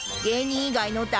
芸人以外の？